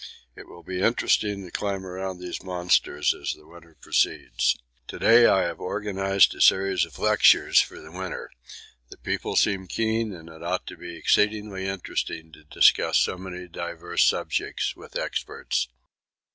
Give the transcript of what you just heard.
It will be interesting to climb around these monsters as the winter proceeds. To day I have organised a series of lectures for the winter; the people seem keen and it ought to be exceedingly interesting to discuss so many diverse subjects with experts.